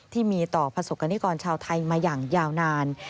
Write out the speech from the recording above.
ที่มีต่อประสบกรณิกรชาวไทยมาอย่างยาวนาน